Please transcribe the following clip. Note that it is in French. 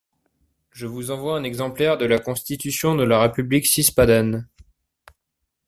Je vous envoie un exemplaire de la constitution de la république cispadane.